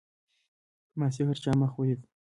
ما سحر چا مخ ولید.